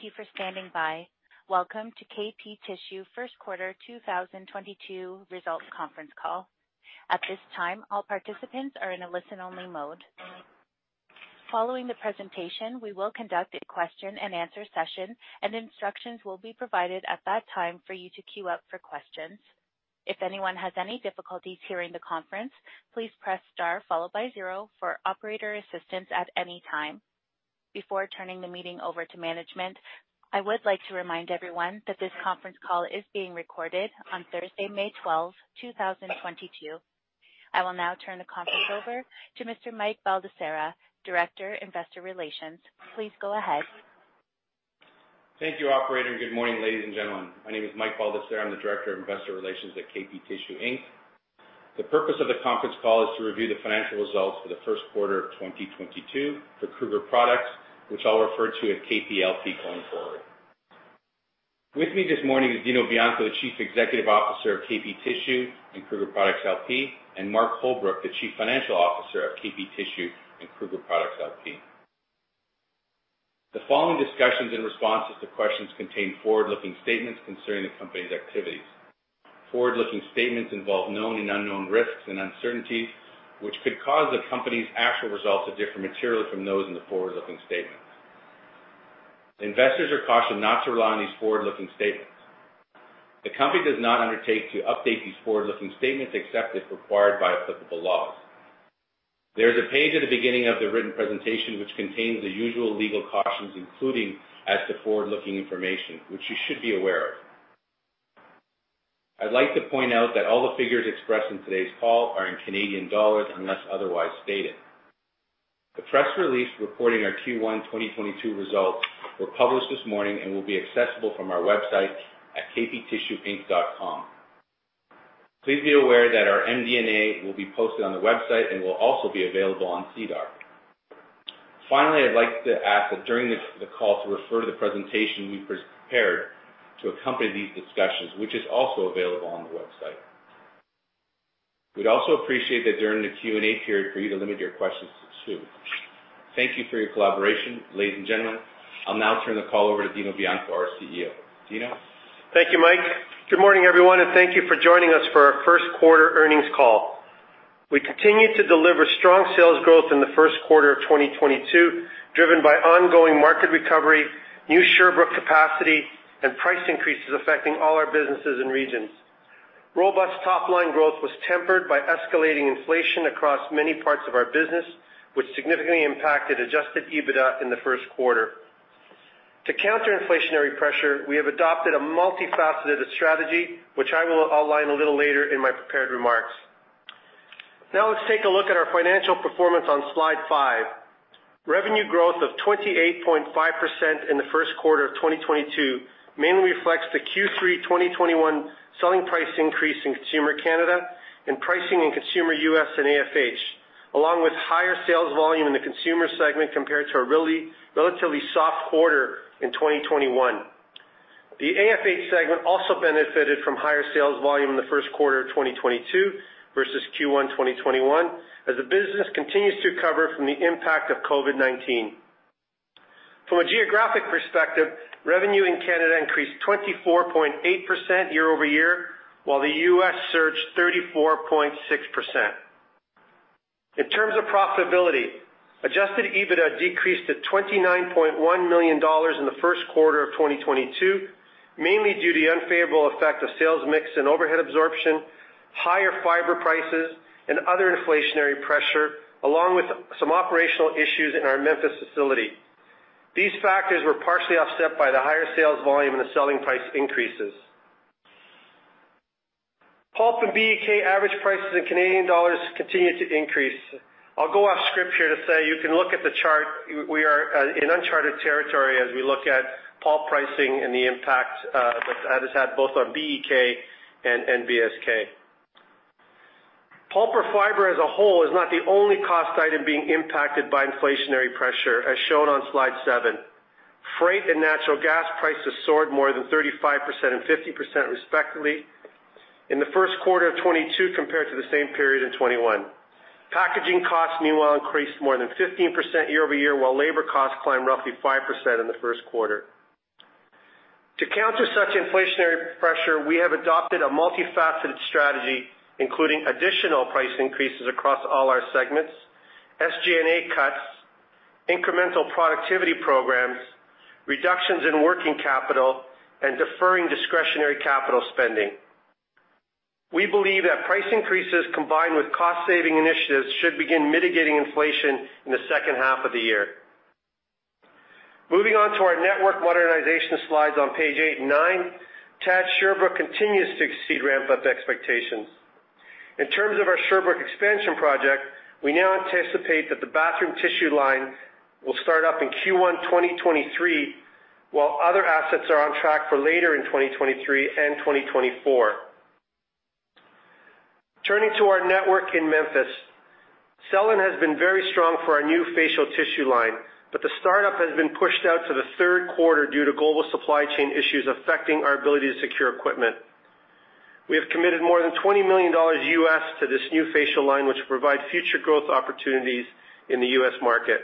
Thank you for standing by. Welcome to KP Tissue First Quarter 2022 Results Conference Call. At this time, all participants are in a listen-only mode. Following the presentation, we will conduct a question-and-answer session, and instructions will be provided at that time for you to queue up for questions. If anyone has any difficulties hearing the conference, please press star followed by zero for operator assistance at any time. Before turning the meeting over to management, I would like to remind everyone that this conference call is being recorded on Thursday, May 12th, 2022. I will now turn the conference over to Mr. Mike Baldesarra, Director, Investor Relations. Please go ahead. Thank you, operator, and good morning, ladies and gentlemen. My name is Mike Baldesarra. I'm the Director of Investor Relations at KP Tissue Inc. The purpose of the conference call is to review the financial results for the first quarter of 2022 for Kruger Products, which I'll refer to as KPLP going forward. With me this morning is Dino Bianco, the Chief Executive Officer of KP Tissue and Kruger Products LP, and Mark Holbrook, the Chief Financial Officer of KP Tissue and Kruger Products LP. The following discussions and responses to questions contain forward-looking statements concerning the company's activities. Forward-looking statements involve known and unknown risks and uncertainties, which could cause the company's actual results to differ materially from those in the forward-looking statements. Investors are cautioned not to rely on these forward-looking statements. The company does not undertake to update these forward-looking statements, except as required by applicable laws. There is a page at the beginning of the written presentation, which contains the usual legal cautions, including as to forward-looking information, which you should be aware of. I'd like to point out that all the figures expressed in today's call are in Canadian dollars, unless otherwise stated. The press release reporting our Q1 2022 results were published this morning and will be accessible from our website at kptissueinc.com. Please be aware that our MD&A will be posted on the website and will also be available on SEDAR. Finally, I'd like to ask that during the call to refer to the presentation we've prepared to accompany these discussions, which is also available on the website. We'd also appreciate that during the Q&A period for you to limit your questions to two. Thank you for your collaboration, ladies and gentlemen. I'll now turn the call over to Dino Bianco, our CEO. Dino? Thank you, Mike. Good morning, everyone, and thank you for joining us for our first quarter earnings call. We continued to deliver strong sales growth in the first quarter of 2022, driven by ongoing market recovery, new Sherbrooke capacity, and price increases affecting all our businesses and regions. Robust top-line growth was tempered by escalating inflation across many parts of our business, which significantly impacted Adjusted EBITDA in the first quarter. To counter inflationary pressure, we have adopted a multifaceted strategy, which I will outline a little later in my prepared remarks. Now, let's take a look at our financial performance on slide slide. Revenue growth of 28.5% in the first quarter of 2022 mainly reflects the Q3 2021 selling price increase in consumer Canada and pricing in consumer US and AFH, along with higher sales volume in the consumer segment compared to a really relatively soft quarter in 2021. The AFH segment also benefited from higher sales volume in the first quarter of 2022 versus Q1 2021, as the business continues to recover from the impact of COVID-19. From a geographic perspective, revenue in Canada increased 24.8% year-over-year, while the US surged 34.6%. In terms of profitability, Adjusted EBITDA decreased to 29.1 million dollars in the first quarter of 2022, mainly due to the unfavorable effect of sales mix and overhead absorption, higher fiber prices and other inflationary pressure, along with some operational issues in our Memphis facility. These factors were partially offset by the higher sales volume and the selling price increases. Pulp and BEK average prices in Canadian dollars continued to increase. I'll go off script here to say you can look at the chart. We are in uncharted territory as we look at pulp pricing and the impact that has had both on BEK and NBSK. Pulp or fiber as a whole is not the only cost item being impacted by inflationary pressure, as shown on slide 7. Freight and natural gas prices soared more than 35% and 50%, respectively, in the first quarter of 2022 compared to the same period in 2021. Packaging costs, meanwhile, increased more than 15% year-over-year, while labor costs climbed roughly 5% in the first quarter. To counter such inflationary pressure, we have adopted a multifaceted strategy, including additional price increases across all our segments, SG&A cuts, incremental productivity programs, reductions in working capital, and deferring discretionary capital spending. We believe that price increases, combined with cost-saving initiatives, should begin mitigating inflation in the second half of the year. Moving on to our network modernization slides on page 8 and 9, TAD Sherbrooke continues to exceed ramp-up expectations. In terms of our Sherbrooke expansion project, we now anticipate that the bathroom tissue line will start up in Q1 2023, while other assets are on track for later in 2023 and 2024. Turning to our network in Memphis, selling has been very strong for our new facial tissue line, but the startup has been pushed out to the third quarter due to global supply chain issues affecting our ability to secure equipment. We have committed more than $20 million to this new facial line, which will provide future growth opportunities in the US market.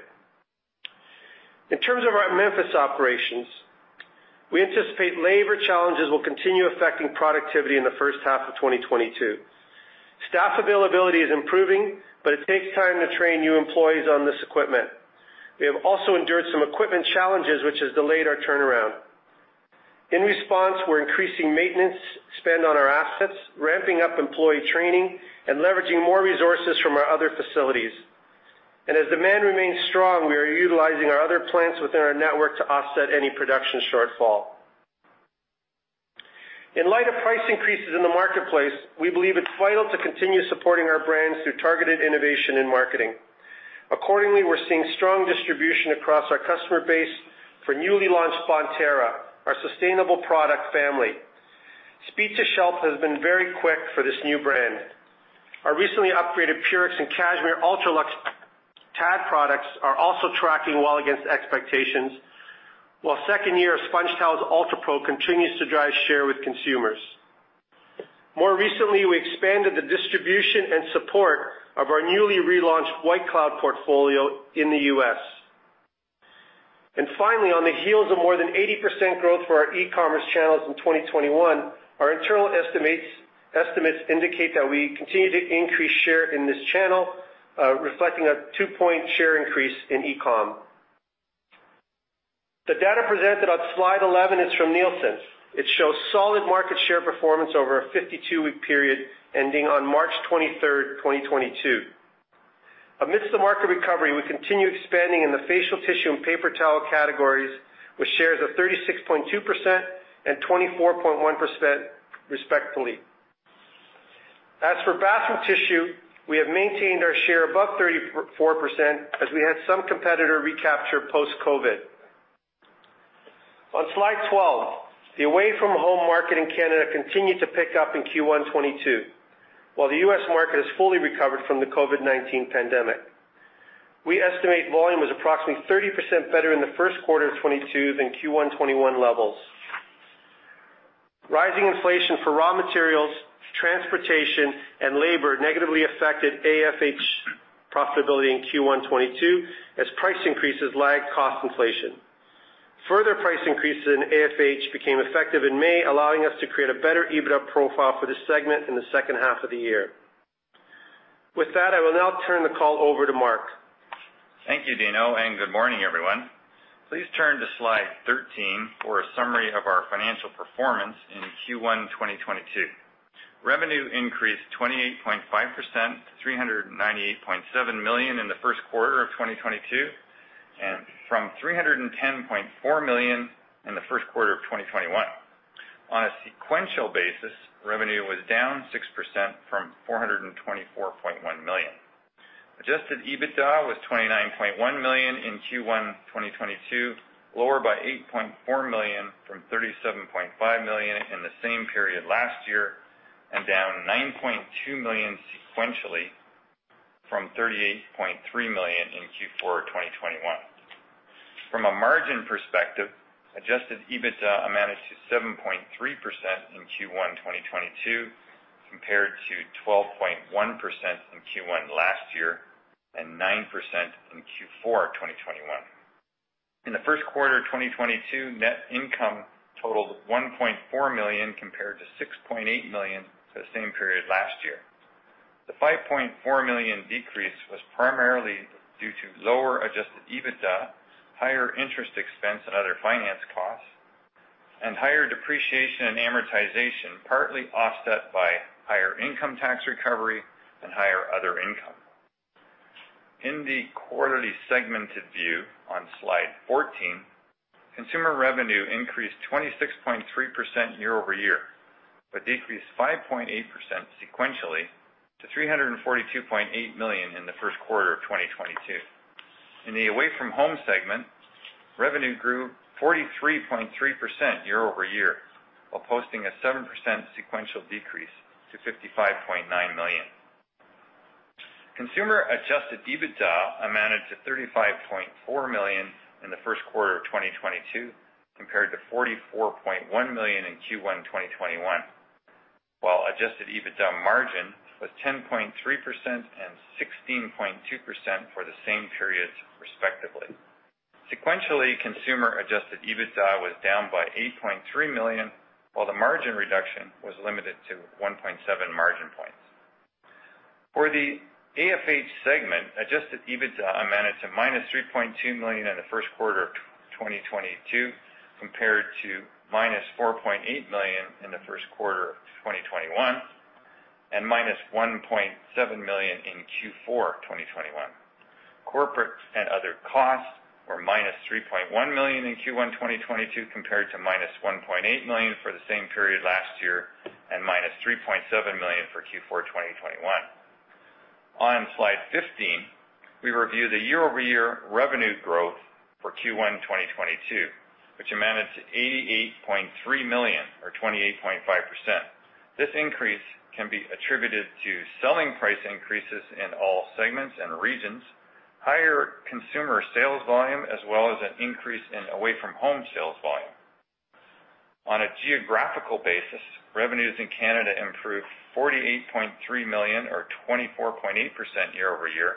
In terms of our Memphis operations, we anticipate labor challenges will continue affecting productivity in the first half of 2022. Staff availability is improving, but it takes time to train new employees on this equipment. We have also endured some equipment challenges, which has delayed our turnaround. In response, we're increasing maintenance spend on our assets, ramping up employee training, and leveraging more resources from our other facilities. As demand remains strong, we are utilizing our other plants within our network to offset any production shortfall. In light of price increases in the marketplace, we believe it's vital to continue supporting our brands through targeted innovation and marketing. Accordingly, we're seeing strong distribution across our customer base for newly launched Bonterra, our sustainable product family. Speed to shelf has been very quick for this new brand. Our recently upgraded Purex and Cashmere UltraLuxe TAD products are also tracking well against expectations, while second year of SpongeTowels UltraPro continues to drive share with consumers. More recently, we expanded the distribution and support of our newly relaunched White Cloud portfolio in the US. Finally, on the heels of more than 80% growth for our e-commerce channels in 2021, our internal estimates indicate that we continue to increase share in this channel, reflecting a 2-point share increase in e-com. The data presented on slide 11 is from Nielsen. It shows solid market share performance over a 52-week period, ending on March 23rd, 2022. Amidst the market recovery, we continue expanding in the facial tissue and paper towel categories, with shares of 36.2% and 24.1%, respectively. As for bathroom tissue, we have maintained our share above 34% as we had some competitor recapture post-COVID. On slide 12, the away from home market in Canada continued to pick up in Q1 2022, while the U.S. market has fully recovered from the COVID-19 pandemic. We estimate volume was approximately 30% better in the first quarter of 2022 than Q1 2021 levels. Rising inflation for raw materials, transportation, and labor negatively affected AFH profitability in Q1 2022, as price increases lagged cost inflation. Further price increases in AFH became effective in May, allowing us to create a better EBITDA profile for this segment in the second half of the year. With that, I will now turn the call over to Mark. Thank you, Dino, and good morning, everyone. Please turn to slide 13 for a summary of our financial performance in Q1 2022. Revenue increased 28.5%, 398.7 million in the first quarter of 2022, and from 310.4 million in the first quarter of 2021. On a sequential basis, revenue was down 6% from 424.1 million. Adjusted EBITDA was 29.1 million in Q1 2022, lower by 8.4 million from 37.5 million in the same period last year, and down 9.2 million sequentially from 38.3 million in Q4 2021. From a margin perspective, Adjusted EBITDA amounted to 7.3% in Q1 2022, compared to 12.1% in Q1 last year, and 9% in Q4 2021. In the first quarter of 2022, net income totaled 1.4 million, compared to 6.8 million for the same period last year. The 5.4 million decrease was primarily due to lower Adjusted EBITDA, higher interest expense and other finance costs, and higher depreciation and amortization, partly offset by higher income tax recovery and higher other income. In the quarterly segmented view on Slide 14, consumer revenue increased 26.3% year-over-year, but decreased 5.8% sequentially to 342.8 million in the first quarter of 2022. In the away from home segment, revenue grew 43.3% year-over-year, while posting a 7% sequential decrease to 55.9 million. Consumer adjusted EBITDA amounted to 35.4 million in the first quarter of 2022, compared to 44.1 million in Q1 2021, while adjusted EBITDA margin was 10.3% and 16.2% for the same periods, respectively. Sequentially, consumer-adjusted EBITDA was down by 8.3 million, while the margin reduction was limited to 1.7 margin points. For the AFH segment, adjusted EBITDA amounted to -3.2 million in the first quarter of 2022, compared to -4.8 million in the first quarter of 2021, and -1.7 million in Q4 2021. Corporate and other costs were -3.1 million in Q1, 2022, compared to -1.8 million for the same period last year, and -3.7 million for Q4, 2021. On Slide 15, we review the year-over-year revenue growth for Q1, 2022, which amounted to 88.3 million or 28.5%. This increase can be attributed to selling price increases in all segments and regions.... higher consumer sales volume, as well as an increase in away from home sales volume. On a geographical basis, revenues in Canada improved 48.3 million, or 24.8% year-over-year,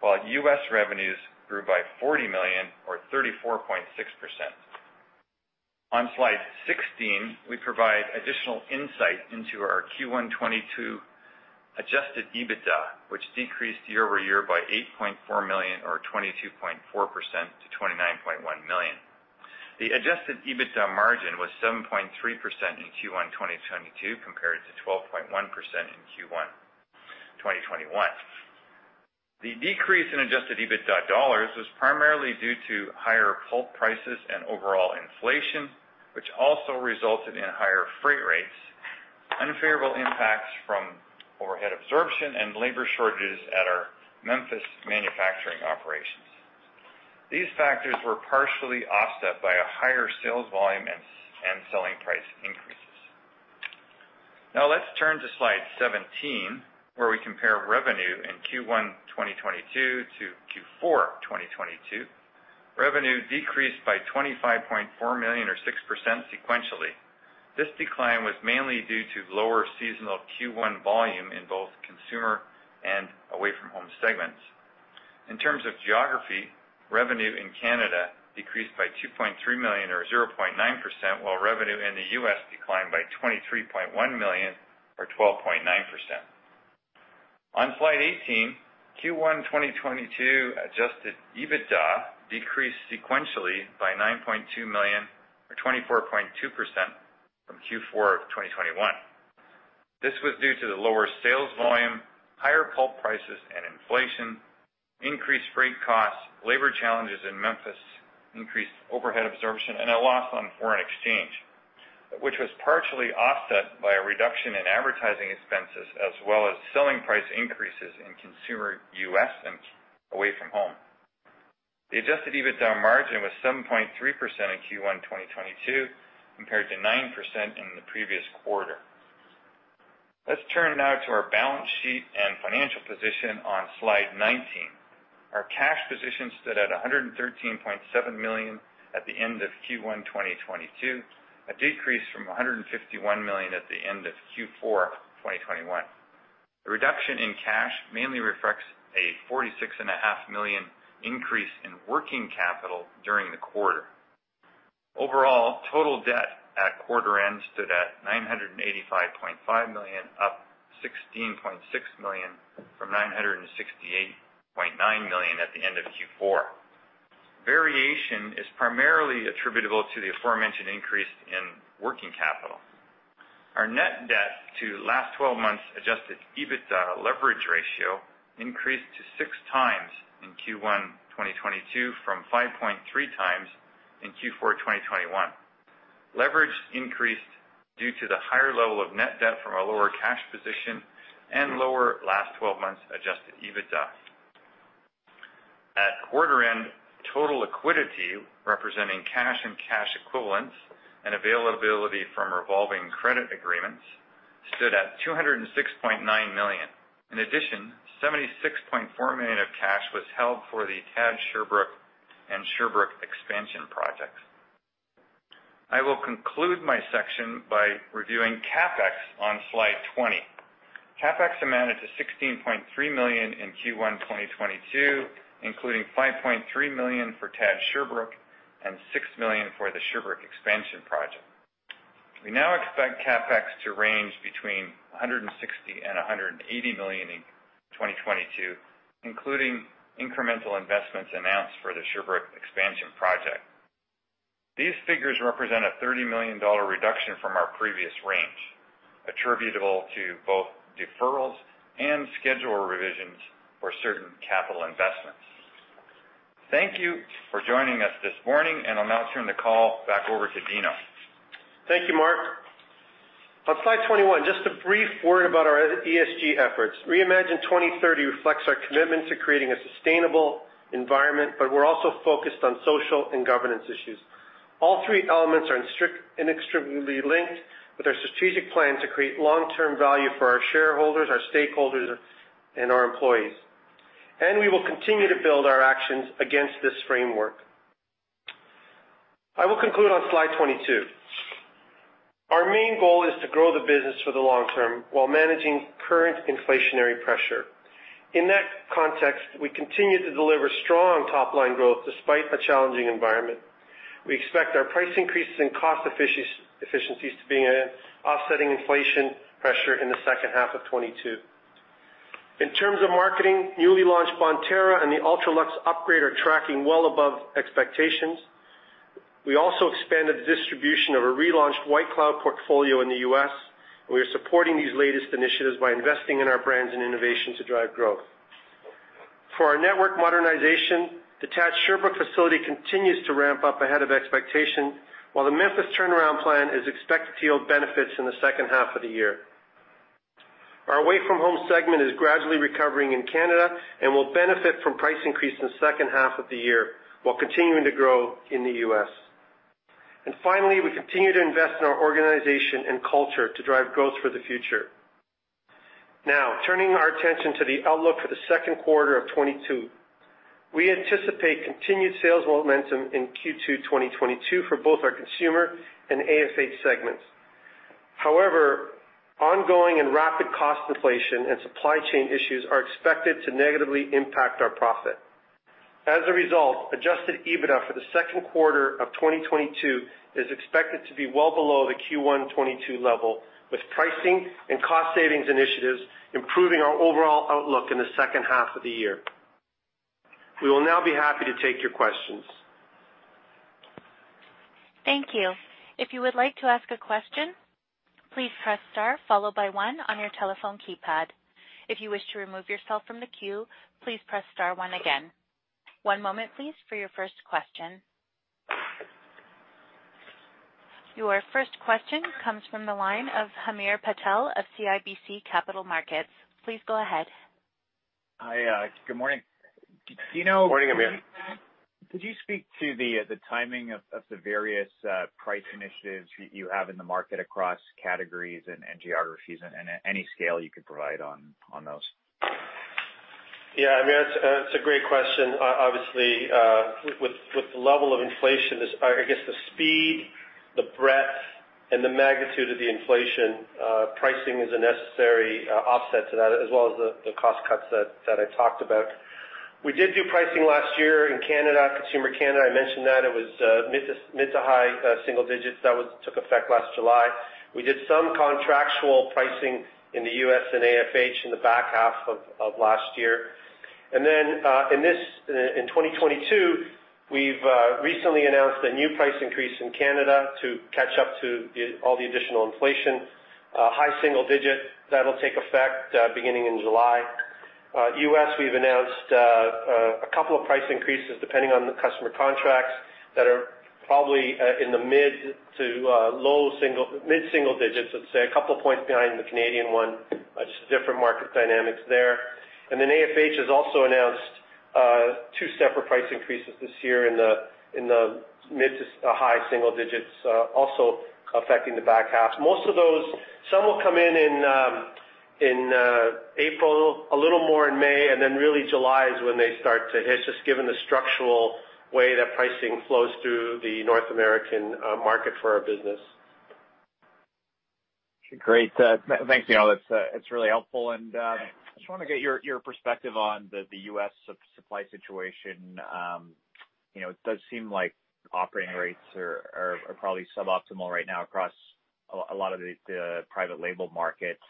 while U.S. revenues grew by 40 million, or 34.6%. On slide 16, we provide additional insight into our Q1 2022 adjusted EBITDA, which decreased year-over-year by 8.4 million, or 22.4% to 29.1 million. The adjusted EBITDA margin was 7.3% in Q1 2022, compared to 12.1% in Q1 2021. The decrease in adjusted EBITDA dollars was primarily due to higher pulp prices and overall inflation, which also resulted in higher freight rates, unfavorable impacts from overhead absorption and labor shortages at our Memphis manufacturing operations. These factors were partially offset by a higher sales volume and selling price increases. Now let's turn to slide 17, where we compare revenue in Q1 2022 to Q4 2022. Revenue decreased by 25.4 million, or 6% sequentially. This decline was mainly due to lower seasonal Q1 volume in both consumer and Away-from-Home segments. In terms of geography, revenue in Canada decreased by 2.3 million, or 0.9%, while revenue in the U.S. declined by $23.1 million, or 12.9%. On slide 18, Q1 2022 Adjusted EBITDA decreased sequentially by 9.2 million, or 24.2% from Q4 of 2021. This was due to the lower sales volume, higher pulp prices and inflation, increased freight costs, labor challenges in Memphis, increased overhead absorption, and a loss on foreign exchange, which was partially offset by a reduction in advertising expenses, as well as selling price increases in consumer U.S. and Away-from-Home. The Adjusted EBITDA margin was 7.3% in Q1 2022, compared to 9% in the previous quarter. Let's turn now to our balance sheet and financial position on slide 19. Our cash position stood at 113.7 million at the end of Q1, 2022, a decrease from 151 million at the end of Q4, 2021. The reduction in cash mainly reflects a 46.5 million increase in working capital during the quarter. Overall, total debt at quarter end stood at 985.5 million, up 16.6 million from 968.9 million at the end of Q4. Variation is primarily attributable to the aforementioned increase in working capital. Our net debt to last twelve months Adjusted EBITDA leverage ratio increased to 6x in Q1, 2022 from 5.3x in Q4, 2021. Leverage increased due to the higher level of net debt from a lower cash position and lower last twelve months adjusted EBITDA. At quarter end, total liquidity, representing cash and cash equivalents and availability from revolving credit agreements, stood at 206.9 million. In addition, 76.4 million of cash was held for the TAD Sherbrooke and Sherbrooke expansion projects. I will conclude my section by reviewing CapEx on slide 20. CapEx amounted to 16.3 million in Q1 2022, including 5.3 million for TAD Sherbrooke and 6 million for the Sherbrooke expansion project. We now expect CapEx to range between 160 million and 180 million in 2022, including incremental investments announced for the Sherbrooke expansion project. These figures represent a 30 million dollar reduction from our previous range, attributable to both deferrals and schedule revisions for certain capital investments. Thank you for joining us this morning, and I'll now turn the call back over to Dino. Thank you, Mark. On slide 21, just a brief word about our ESG efforts. Reimagine 2030 reflects our commitment to creating a sustainable environment, but we're also focused on social and governance issues. All three elements are inextricably linked with our strategic plan to create long-term value for our shareholders, our stakeholders, and our employees. We will continue to build our actions against this framework. I will conclude on slide 22. Our main goal is to grow the business for the long term while managing current inflationary pressure. In that context, we continue to deliver strong top-line growth despite a challenging environment. We expect our price increases and cost efficiencies to begin offsetting inflation pressure in the second half of 2022. In terms of marketing, newly launched Bonterra and the UltraLuxe upgrade are tracking well above expectations. We also expanded the distribution of a relaunched White Cloud portfolio in the U.S., and we are supporting these latest initiatives by investing in our brands and innovation to drive growth. For our network modernization, the TAD Sherbrooke facility continues to ramp up ahead of expectation, while the Memphis turnaround plan is expected to yield benefits in the second half of the year. Our away from home segment is gradually recovering in Canada and will benefit from price increase in the second half of the year while continuing to grow in the U.S. And finally, we continue to invest in our organization and culture to drive growth for the future. Now, turning our attention to the outlook for the second quarter of 2022. We anticipate continued sales momentum in Q2 2022 for both our consumer and AFH segments. However, ongoing and rapid cost inflation and supply chain issues are expected to negatively impact our profit. As a result, Adjusted EBITDA for the second quarter of 2022 is expected to be well below the Q1 2022 level, with pricing and cost savings initiatives improving our overall outlook in the second half of the year. We will now be happy to take your questions. Thank you. If you would like to ask a question, please press star, followed by one on your telephone keypad. If you wish to remove yourself from the queue, please press star one again. One moment, please, for your first question. Your first question comes from the line of Hamir Patel of CIBC Capital Markets. Please go ahead. Hi, good morning Dino. Morning, Hamir. Could you speak to the timing of the various price initiatives you have in the market across categories and geographies, and any scale you could provide on those? Yeah, I mean, that's a great question. Obviously, with the level of inflation, I guess, the speed, the breadth and the magnitude of the inflation, pricing is a necessary offset to that, as well as the cost cuts that I talked about. We did do pricing last year in Canada, Consumer Canada. I mentioned that it was mid- to high-single digits. That took effect last July. We did some contractual pricing in the US and AFH in the back half of last year. And then, in 2022, we've recently announced a new price increase in Canada to catch up to all the additional inflation, high-single digit that'll take effect beginning in July. U.S., we've announced a couple of price increases, depending on the customer contracts, that are probably in the mid single digits, let's say, a couple of points behind the Canadian one. Just different market dynamics there. And then AFH has also announced two separate price increases this year in the mid to high single digits, also affecting the back half. Most of those, some will come in April, a little more in May, and then really July is when they start to hit, just given the structural way that pricing flows through the North American market for our business. Great. Thank you, Dino. That's. It's really helpful. And I just wanna get your perspective on the U.S. supply situation. You know, it does seem like operating rates are probably suboptimal right now across a lot of the private label markets.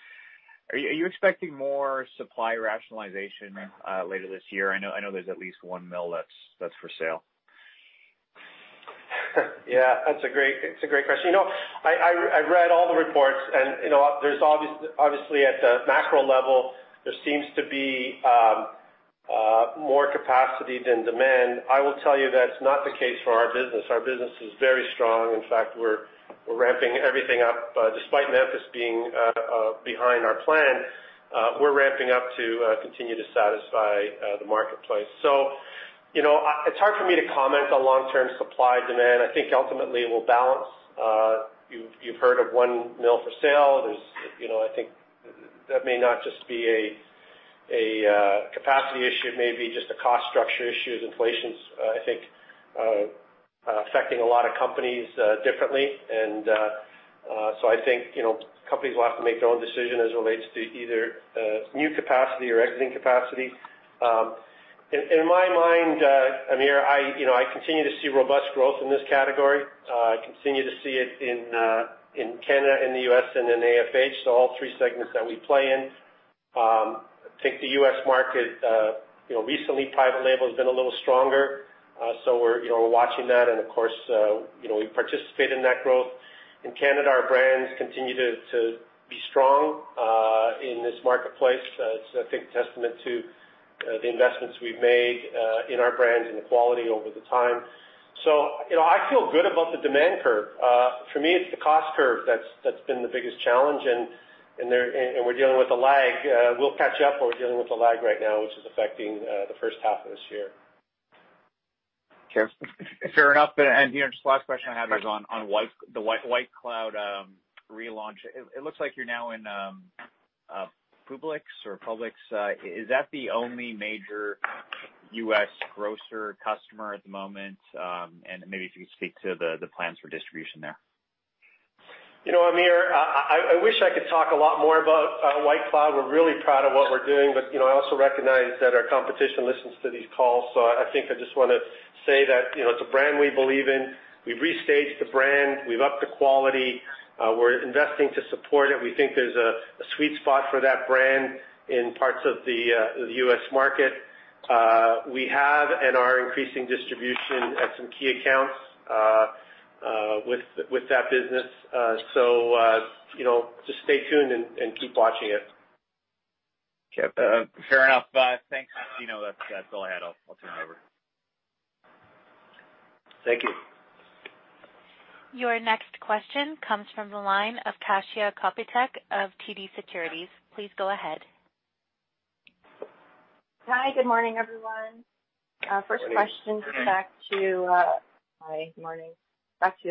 Are you expecting more supply rationalization later this year? I know there's at least one mill that's for sale. Yeah, that's a great, it's a great question. You know, I read all the reports, and, you know, there's obviously, at the macro level, there seems to be more capacity than demand. I will tell you that's not the case for our business. Our business is very strong. In fact, we're ramping everything up. Despite Memphis being behind our plan, we're ramping up to continue to satisfy the marketplace. So, you know, it's hard for me to comment on long-term supply, demand. I think ultimately it will balance. You've heard of one mill for sale. There's you know, I think that may not just be a capacity issue, it may be just a cost structure issue as inflation's, I think, affecting a lot of companies, differently. So I think, you know, companies will have to make their own decision as it relates to either new capacity or exiting capacity. In my mind, Hamir, you know, I continue to see robust growth in this category. I continue to see it in Canada and the U.S. and in AFH, so all three segments that we play in. I think the U.S. market, you know, recently, private label has been a little stronger, so we're, you know, we're watching that. And of course, you know, we participate in that growth. In Canada, our brands continue to be strong in this marketplace. It's, I think, a testament to the investments we've made in our brands and the quality over the time. So, you know, I feel good about the demand curve. For me, it's the cost curve that's been the biggest challenge, and we're dealing with a lag. We'll catch up, but we're dealing with a lag right now, which is affecting the first half of this year. Okay, fair enough. You know, just last question I have is on White- the White Cloud relaunch. It looks like you're now in Publix. Is that the only major U.S. grocer customer at the moment? And maybe if you could speak to the plans for distribution there. You know, Hamir, I wish I could talk a lot more about White Cloud. We're really proud of what we're doing, but, you know, I also recognize that our competition listens to these calls, so I think I just wanna say that, you know, it's a brand we believe in. We've restaged the brand. We've upped the quality. We're investing to support it. We think there's a sweet spot for that brand in parts of the US market. We have and are increasing distribution at some key accounts with that business. So, you know, just stay tuned and keep watching it. Okay, fair enough. Thanks, Dino. That's, that's all I had. I'll, I'll turn it over. Thank you. Your next question comes from the line of Kasia Kopytek of TD Securities. Please go ahead. Hi, good morning, everyone. First question, back to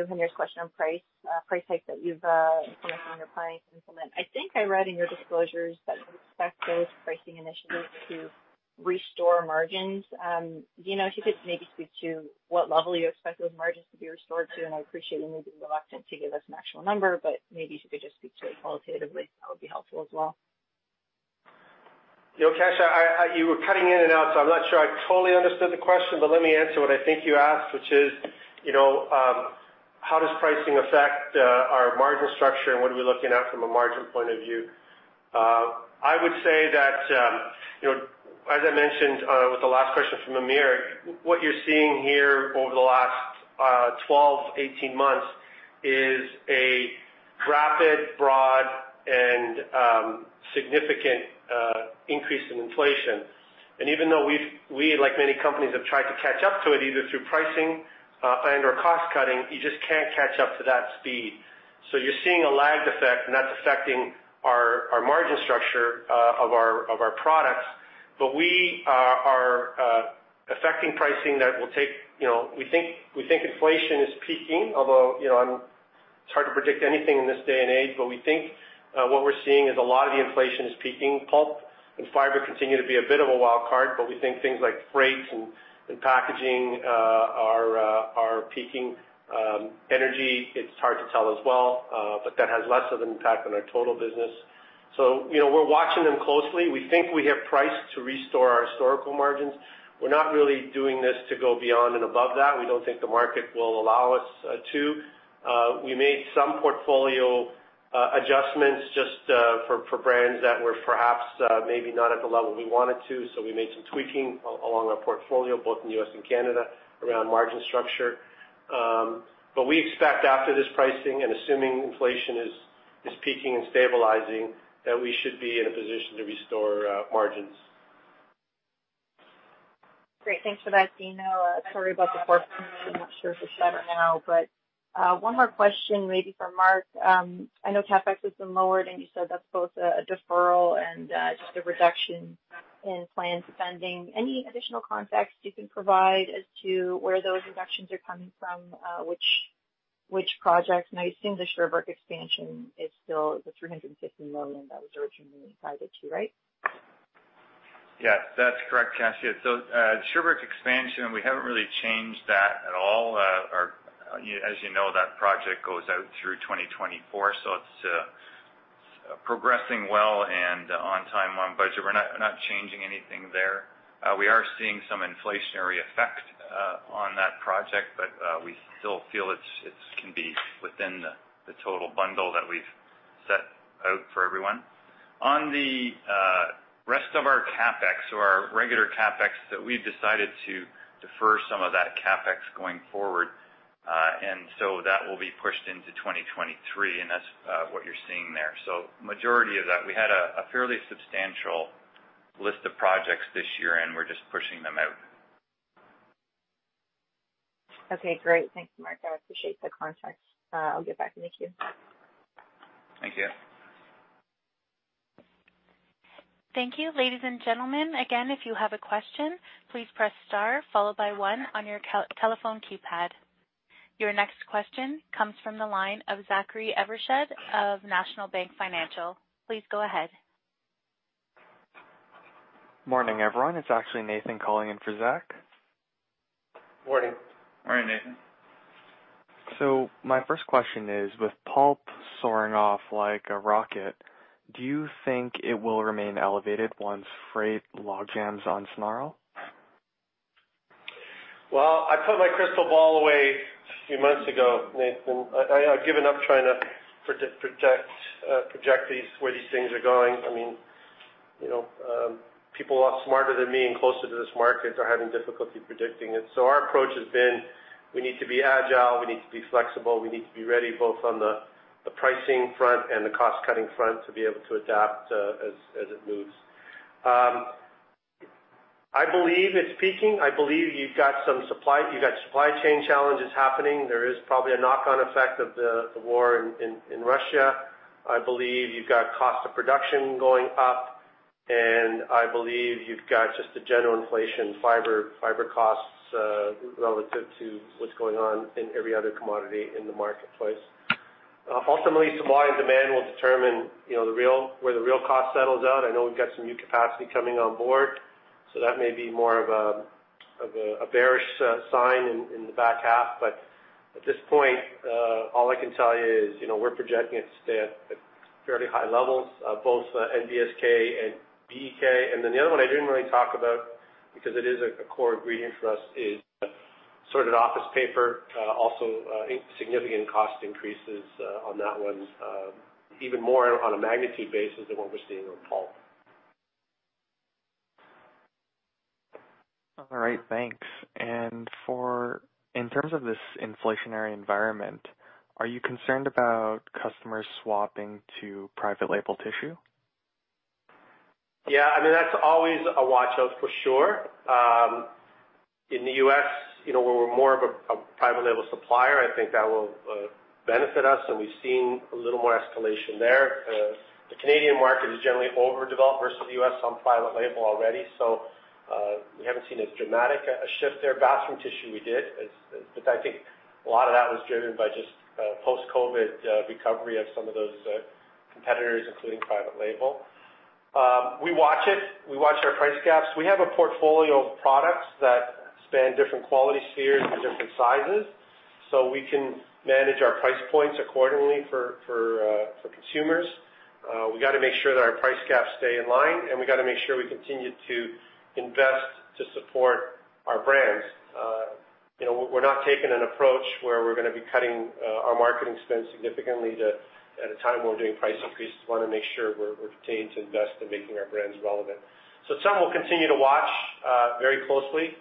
Hamir's question on price, price hike that you've implemented and you're planning to implement. I think I read in your disclosures that you expect those pricing initiatives to restore margins. Dino, if you could maybe speak to what level you expect those margins to be restored to, and I appreciate you may be reluctant to give us an actual number, but maybe if you could just speak to it qualitatively, that would be helpful as well. You know, Kasia, you were cutting in and out, so I'm not sure I totally understood the question, but let me answer what I think you asked, which is, you know, how does pricing affect our margin structure, and what are we looking at from a margin point of view? I would say that, you know, as I mentioned, with the last question from Hamir, what you're seeing here over the last 12, 18 months, is a rapid, broad, and significant increase in inflation. And even though we, like many companies, have tried to catch up to it, either through pricing and/or cost cutting, you just can't catch up to that speed. So you're seeing a lagged effect, and that's affecting our margin structure of our products. But we are affecting pricing that will take... You know, we think, we think inflation is peaking, although, you know, it's hard to predict anything in this day and age. But we think what we're seeing is a lot of the inflation is peaking. Pulp and fiber continue to be a bit of a wild card, but we think things like freight and packaging are peaking. Energy, it's hard to tell as well, but that has less of an impact on our total business. So, you know, we're watching them closely. We think we have priced to restore our historical margins. We're not really doing this to go beyond and above that. We don't think the market will allow us to. We made some portfolio adjustments just for brands that were perhaps maybe not at the level we wanted to, so we made some tweaking along our portfolio, both in the U.S. and Canada, around margin structure. But we expect after this pricing, and assuming inflation is peaking and stabilizing, that we should be in a position to restore margins. Great. Thanks for that, Dino. Sorry about the poor connection. I'm not sure if it's better now. But, one more question, maybe for Mark. I know CapEx has been lowered, and you said that's both a, a deferral and, just a reduction in planned spending. Any additional context you can provide as to where those reductions are coming from, which, which projects? And I assume the Sherbrooke expansion is still the 350 million that was originally guided to, right? Yes, that's correct, Kasia. So, the Sherbrooke expansion, we haven't really changed that at all. As you know, that project goes out through 2024, so it's progressing well and on time, on budget. We're not, we're not changing anything there. We are seeing some inflationary effect on that project, but we still feel it's it can be within the total bundle that we've set out for everyone. On the rest of our CapEx, or our regular CapEx, that we've decided to defer some of that CapEx going forward, and so that will be pushed into 2023, and that's what you're seeing there. So majority of that, we had a fairly substantial list of projects this year, and we're just pushing them out. Okay, great. Thanks, Mark. I appreciate the context. I'll get back in the queue. Thank you. Thank you, ladies and gentlemen. Again, if you have a question, please press star followed by one on your telephone keypad. Your next question comes from the line of Zachary Evershed of National Bank Financial. Please go ahead. Morning, everyone. It's actually Nathan calling in for Zach. Morning. Morning, Nathan. My first question is, with pulp soaring off like a rocket, do you think it will remain elevated once freight logjams unsnarl? Well, I put my crystal ball away a few months ago, Nathan. I've given up trying to project where these things are going. I mean, you know, people a lot smarter than me and closer to this market are having difficulty predicting it. So our approach has been, we need to be agile, we need to be flexible, we need to be ready both on the pricing front and the cost-cutting front to be able to adapt as it moves. I believe it's peaking. I believe you've got supply chain challenges happening. There is probably a knock-on effect of the war in Russia. I believe you've got cost of production going up, and I believe you've got just the general inflation, fiber, fiber costs, relative to what's going on in every other commodity in the marketplace. Ultimately, supply and demand will determine, you know, where the real cost settles out. I know we've got some new capacity coming on board, so that may be more of a bearish sign in the back half. But at this point, all I can tell you is, you know, we're projecting it to stay at fairly high levels, both NBSK and BEK. And then the other one I didn't really talk about, because it is a core ingredient for us, is sorted office paper. Also, significant cost increases on that one, even more on a magnitude basis than what we're seeing on pulp. All right. Thanks. And for in terms of this inflationary environment, are you concerned about customers swapping to Private Label tissue? Yeah, I mean, that's always a watchout, for sure. In the U.S., you know, we're more of a private label supplier. I think that will benefit us, and we've seen a little more escalation there. The Canadian market is generally overdeveloped versus the U.S. on private label already, so we haven't seen as dramatic a shift there. Bathroom tissue we did, but I think a lot of that was driven by just post-COVID recovery of some of those competitors, including private label. We watch it. We watch our price gaps. We have a portfolio of products that span different quality spheres and different sizes, so we can manage our price points accordingly for consumers. We gotta make sure that our price gaps stay in line, and we gotta make sure we continue to invest to support our brands. You know, we're not taking an approach where we're gonna be cutting our marketing spend significantly at a time when we're doing price increases. We wanna make sure we're continuing to invest in making our brands relevant. So some we'll continue to watch very closely,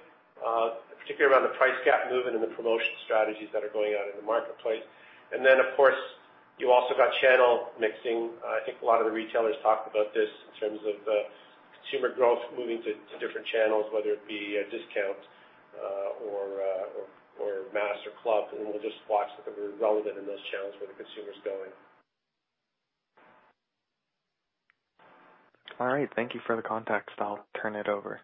particularly around the price gap movement and the promotion strategies that are going on in the marketplace. And then, of course, you also got channel mixing. I think a lot of the retailers talked about this in terms of consumer growth moving to different channels, whether it be discount or mass or club, and we'll just watch that we're relevant in those channels where the consumer's going. All right. Thank you for the context. I'll turn it over.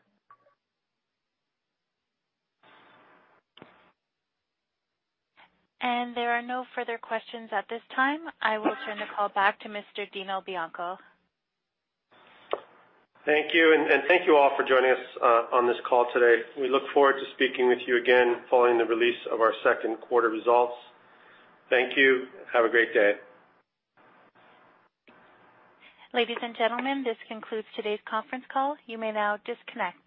There are no further questions at this time. I will turn the call back to Mr. Dino Bianco. Thank you, and thank you all for joining us on this call today. We look forward to speaking with you again following the release of our second quarter results. Thank you. Have a great day. Ladies and gentlemen, this concludes today's conference call. You may now disconnect.